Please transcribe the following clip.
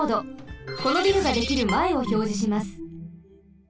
このビルができるまえをひょうじします。